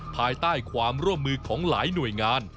ภายใต้ความร่วมมือของหลายหน่วยงาน